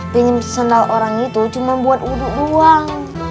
pinjam sendal orang itu cuma buat uduk doang